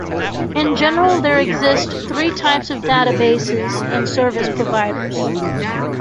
In general, there exist three types of databases and service providers.